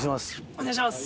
お願いします。